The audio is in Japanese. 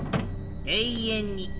永遠に。